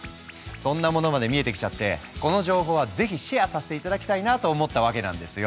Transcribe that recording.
そんなものまで見えてきちゃってこの情報はぜひシェアさせて頂きたいなと思ったわけなんですよ！